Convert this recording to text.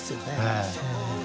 はい。